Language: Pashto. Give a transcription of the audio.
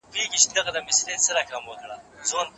فیلسوفان باید حکومت وکړي.